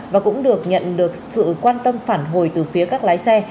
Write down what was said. và cũng được nhận được sự quan tâm phản hồi từ phía các lái xe